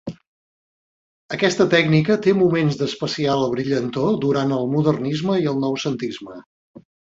Aquesta tècnica té moments d'especial brillantor durant el modernisme i el noucentisme.